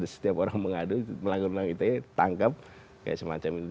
setiap orang mengadu melanggar undang ite tangkap kayak semacam itu